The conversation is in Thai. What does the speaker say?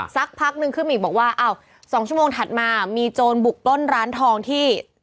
สักพักนึงขึ้นมาอีกบอกว่าอ้าว๒ชั่วโมงถัดมามีโจรบุกปล้นร้านทองที่